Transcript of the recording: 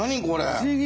不思議！